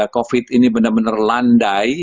covid ini benar benar landai